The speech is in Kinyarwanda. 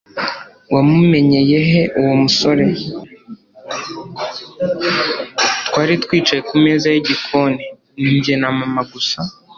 twari twicaye kumeza yigikoni, ni njye na mama gusa